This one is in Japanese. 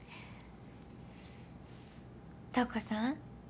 瞳子さん